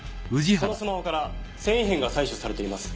そのスマホから繊維片が採取されています。